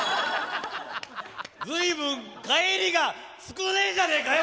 随分返りが少ねえじゃねえかよ